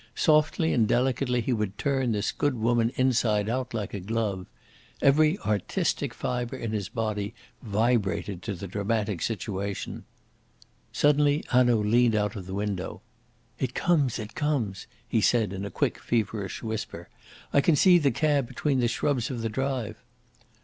Softly and delicately he would turn this good woman inside out, like a glove. Every artistic fibre in his body vibrated to the dramatic situation. Suddenly Hanaud leaned out of the window. "It comes! it comes!" he said in a quick, feverish whisper. "I can see the cab between the shrubs of the drive."